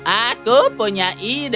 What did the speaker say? aku punya ide